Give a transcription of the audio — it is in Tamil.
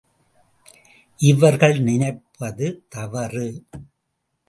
இவர்கள் நினைப்பது தவறு.